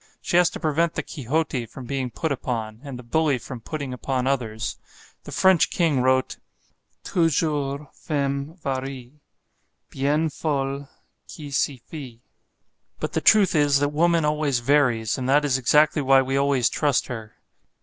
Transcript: She has to prevent the Quixote from being put upon, and the bully from putting upon others. The French King wrote "Toujours femme varie Bien fol qui s'y fie," but the truth is that woman always varies, and that is exactly why we always trust her.